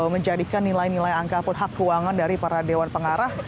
menjadikan nilai nilai angka pun hak keuangan dari para dewan pengarah